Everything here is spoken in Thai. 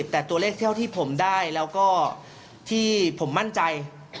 แต่ตัวเลขเท่าที่ผมได้แล้วก็ที่ผมมั่นใจ